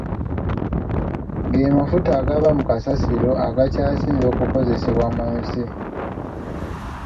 Ge mafuta agava mu kasasiro agakyasinze okukozesebwa mu nsi.